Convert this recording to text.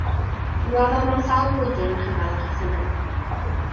Ymladdodd mewn sawl brwydr yn Rhyfel y Rhosynnau.